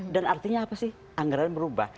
dan artinya apa sih anggaran berubah